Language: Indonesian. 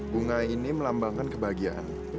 bunga ini melambangkan kebahagiaan